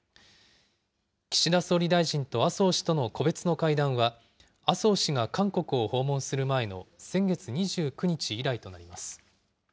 岸田総理大臣と麻生氏との個別の会談は、麻生氏が韓国を訪問する前の先月２９日以来となります。